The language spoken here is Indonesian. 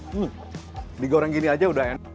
hmm digoreng gini aja udah enak